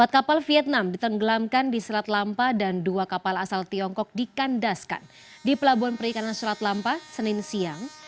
empat kapal vietnam ditenggelamkan di selat lampa dan dua kapal asal tiongkok dikandaskan di pelabuhan perikanan selat lampa senin siang